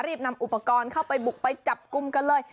นำอุปกรณ์เข้าไปบุกไปจับกลุ่มกันเลย